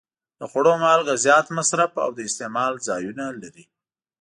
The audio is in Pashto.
د خوړو مالګه زیات مصرف او د استعمال ځایونه لري.